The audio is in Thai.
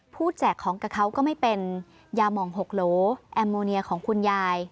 แจกของกับเขาก็ไม่เป็นยามอง๖โหลแอมโมเนียของคุณยาย